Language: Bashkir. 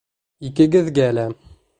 Икегеҙгә лә.